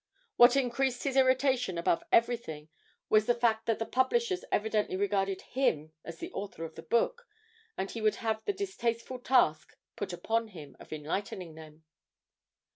What increased his irritation above everything was the fact that the publishers evidently regarded him as the author of the book, and he would have the distasteful task put upon him of enlightening them.